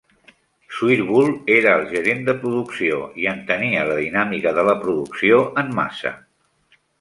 Swirbul era el gerent de producció i entenia la dinàmica de la producció en massa.